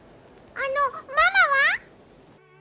あの、ママは？